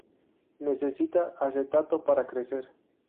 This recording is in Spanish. Necesita acetato para crecer.